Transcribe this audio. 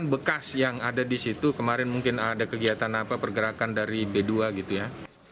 bekas yang ada di situ kemarin mungkin ada kegiatan apa pergerakan dari b dua gitu ya